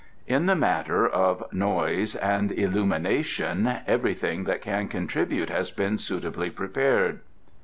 In the matter of noise and illumination everything that can contribute has been suitably prepared."